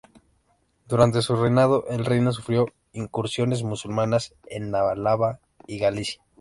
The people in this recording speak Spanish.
Durante su reinado el reino sufrió incursiones musulmanas en Álava y Galicia.